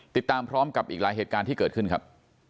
ติดตามพร้อมกับอีกหลายเหตุการณ์ที่เกิดขึ้นครับ